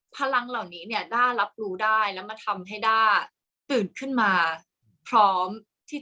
พลังเหล่านี้เนี่ยได้รับรู้ได้แล้วมาทำให้ด้ามาพร้อมที่